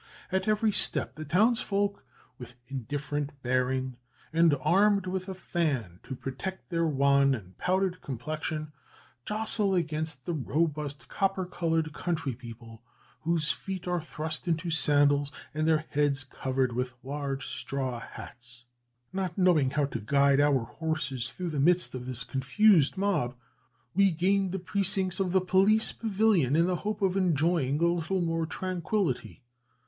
At every step the townsfolk, with indifferent bearing, and armed with a fan to protect their wan and powdered complexion, jostle against the robust copper coloured country people, whose feet are thrust into sandals, and their heads covered with large straw hats. Not knowing how to guide our horses through the midst of this confused mob, we gained the precincts of the police pavilion in the hope of enjoying a little more tranquillity.